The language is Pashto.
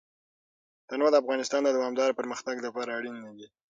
تنوع د افغانستان د دوامداره پرمختګ لپاره اړین دي.